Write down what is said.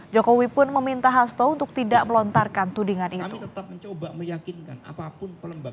jokowi pun meminta hasto untuk tidak melontarkan tudingan itu